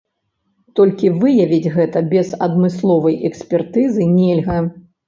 Толькі выявіць гэтага без адмысловай экспертызы нельга.